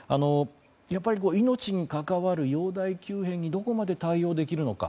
やっぱり命に関わる容体急変にどこまで対応できるのか。